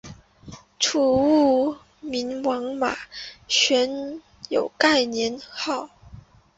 楚武穆王马殷用该年号。